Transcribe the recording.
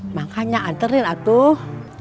makanya anterin atuh